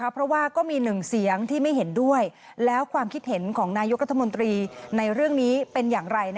เพราะว่าก็มีหนึ่งเสียงที่ไม่เห็นด้วยแล้วความคิดเห็นของนายกรัฐมนตรีในเรื่องนี้เป็นอย่างไร